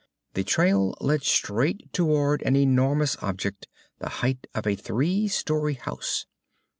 The trail led straight toward an enormous object the height of a three storey house.